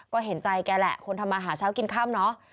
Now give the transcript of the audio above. ก็เห็นใจแกแหละคนทำมาหาเช้ากินค่ำเนอะ